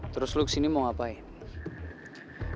terus lo kesini mau ngapain